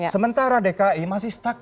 sementara dki masih stuck